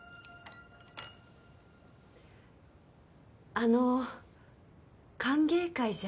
あのう歓迎会じゃ。